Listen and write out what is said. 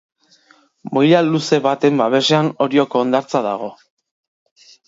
Moila luze baten babesean, Orioko hondartza dago.